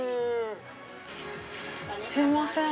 すいません。